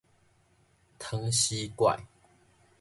湯匙狐